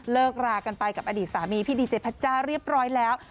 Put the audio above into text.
รากันไปกับอดีตสามีพี่ดีเจพัชจ้าเรียบร้อยแล้ว